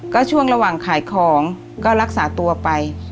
ก็ช่วงระหว่างขายของก็รักษาตัวไป